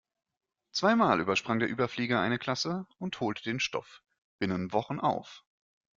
Zweimal übersprang der Überflieger eine Klasse und holte den Stoff binnen Wochen auf.